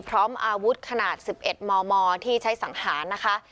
พร้อมอาวุธขนาด๑๑มมที่ใช้สังหารนะคะ